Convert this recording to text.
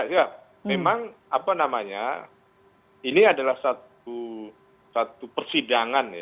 ya memang ini adalah satu persidangan